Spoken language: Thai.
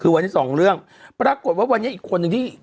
คือวันนี้สองเรื่องปรากฏว่าวันนี้อีกคนนึงที่